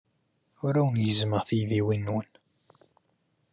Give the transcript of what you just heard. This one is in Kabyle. Ur awen-gezzmeɣ taydiwin-nwen.